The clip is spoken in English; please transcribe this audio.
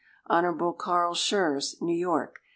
Hon. Carl Schurz, New York.